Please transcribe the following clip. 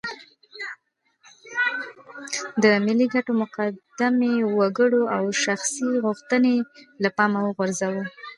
د ملي ګټې مقدمې وګڼو او شخصي غوښتنې له پامه وغورځوو.